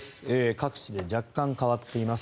各紙で若干変わっています。